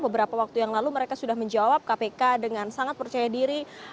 beberapa waktu yang lalu mereka sudah menjawab kpk dengan sangat percaya diri